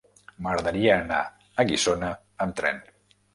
M'agradaria anar a Guissona amb tren.